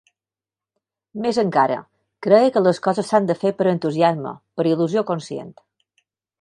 Més encara, creia que les coses s'han de fer per entusiasme, per il·lusió conscient.